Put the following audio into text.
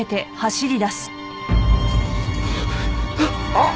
あっ！